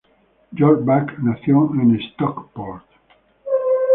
George Back nació en Stockport.